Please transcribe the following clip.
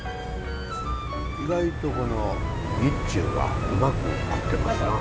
意外とこの日中がうまく合ってますな。